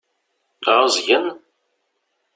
Ɛuẓgen?